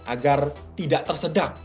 agar tidak tersedak